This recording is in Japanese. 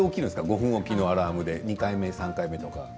５分置きのアラームで２回目３回目とか。